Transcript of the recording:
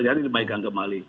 jadi dimainkan kembali